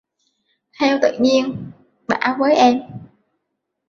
Theo tự nhiên bảo với em